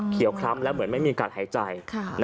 คล้ำแล้วเหมือนไม่มีการหายใจ